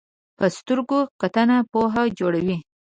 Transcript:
په سترګو کتنه پوهه جوړوي